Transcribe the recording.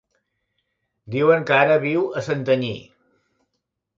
Diuen que ara viu a Santanyí.